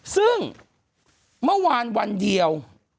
ซึ่งเมื่อวานวันเดียว